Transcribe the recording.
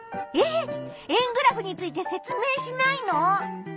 円グラフについて説明しないの？